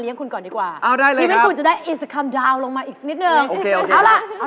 อย่าพึ่งหาการ์ดแตกไปค่ะ